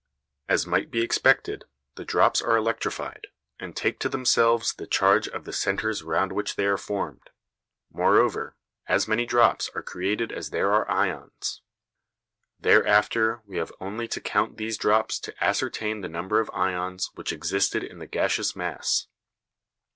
As might be expected, the drops are electrified, and take to themselves the charge of the centres round which they are formed; moreover, as many drops are created as there are ions. Thereafter we have only to count these drops to ascertain the number of ions which existed in the gaseous mass.